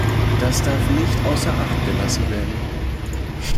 Das darf nicht außer Acht gelassen werden.